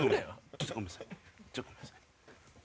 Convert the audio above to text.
ちょっとごめんなさい。